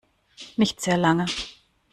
Nicht sehr lange.